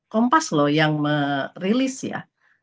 kompas loh yang merilis ya